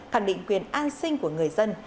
khẳng định quyền an sinh của người dân